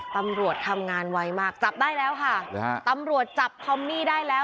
ตำรวจทำงานไวมากจับได้แล้วค่ะหรือฮะตำรวจจับคอมมี่ได้แล้ว